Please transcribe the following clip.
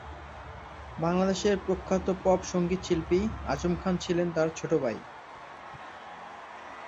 বাংলাদেশের প্রখ্যাত পপ সঙ্গীত শিল্পী আজম খান ছিলেন তার ছোট ভাই।